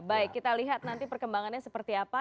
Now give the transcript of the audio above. baik kita lihat nanti perkembangannya seperti apa